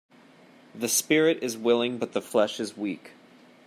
The spirit is willing but the flesh is weak